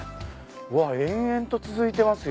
うわっ延々と続いてますよ。